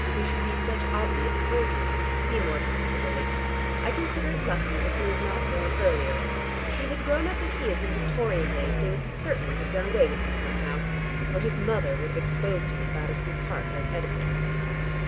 We should be such obvious forgeries, Seymour particularly. I consider it lucky that he was not born earlier; if he had grown up as he is in Victorian days, they would certainly have done away with him somehow. Or his mother would have exposed him in Battersea Park like OEdipus."